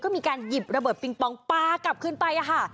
ก็มีการหยิบระเบิดปิงปองปลากลับขึ้นไปค่ะ